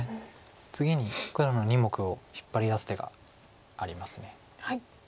次に黒の２目を引っ張り出す手があります。